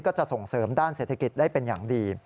ก็จะส่งเสริมด้านเศรษฐกิจได้เป็นอย่างดี